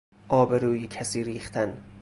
آبروی کسی ریختن